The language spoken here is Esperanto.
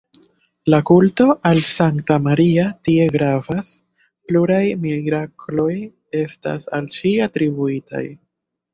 La kulto al sankta Maria tie gravas, pluraj mirakloj estas al ŝi atribuitaj.